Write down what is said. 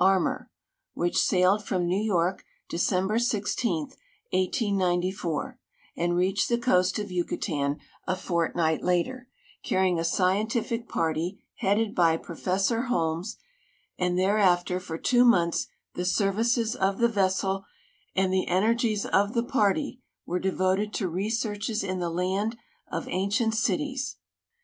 Armour), which sailed fromXew York December 16, 1894, and reached the coast of A'ucatan a fortnight later, carrying a scientific party lieaded l>y Professor Holmes ; and thereafter, for two months, the services of the vessel and the energies of the party were devoted to researches in the land of ancient cities.